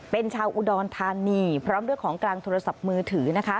เป็นชาวอุดรธานีพร้อมด้วยของกลางโทรศัพท์มือถือนะคะ